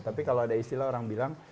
tapi kalau ada istilah orang bilang